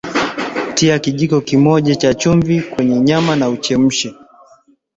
Tia kijiko kimoja cha chumvi kwenye nyama na uchemshe